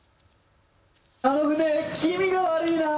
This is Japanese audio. あの船、気味が悪いな。